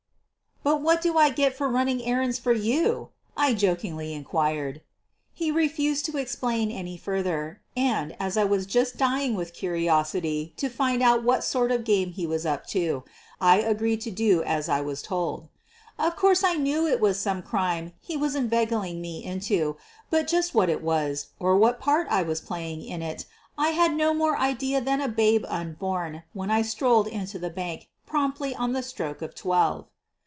"But what do I get for running errands for you?" I jokingly inquired. He refused to explain any further, and, as I was just dying with curiosity to find out what sort of game he was up to, I agreed to do as I was told. Of course, I knew it was some crime he was inveig QUEEN OF THE BURGLARS 213 ling me into, but just what it was, or what part I was playing in it, I had no more idea than a babe unborn when I strolled into the bank promptly on the stroke of twelve.